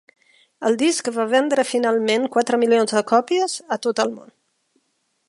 El disc va vendre finalment quatre milions de còpies a tot el món.